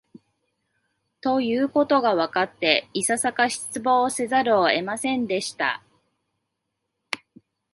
ということがわかって、いささか失望せざるを得ませんでした